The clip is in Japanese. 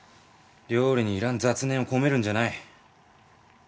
料理にいらん雑念を込めるんじゃない。